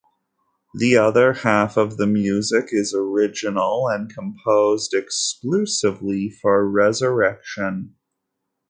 The other half of the music is original and composed exclusively for "Resurrection".